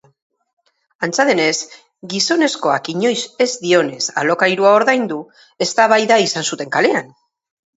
Antza denez, gizonezkoak inoiz ez dionez alokairua ordaindu eztabaida izan zuten kalean.